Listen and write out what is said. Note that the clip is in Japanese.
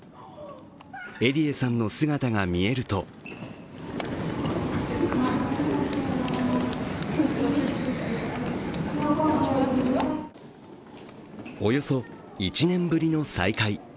エディエさんの姿が見えるとおよそ１年ぶりの再会。